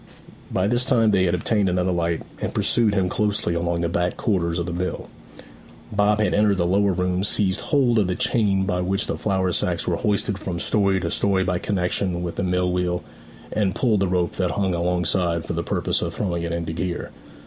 By this time they had obtained another light, and pursued him closely along the back quarters of the mill. Bob had entered the lower room, seized hold of the chain by which the flour sacks were hoisted from story to story by connexion with the mill wheel, and pulled the rope that hung alongside for the purpose of throwing it into gear.